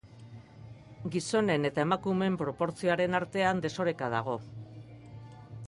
Gizonen eta emakumeen proportzioaren artean desoreka dago.